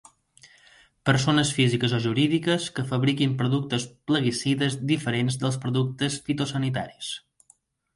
Persones físiques o jurídiques que fabriquin productes plaguicides diferents dels productes fitosanitaris.